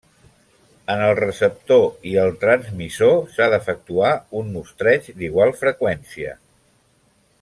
En el receptor i el transmissor s'ha d'efectuar un mostreig d'igual freqüència.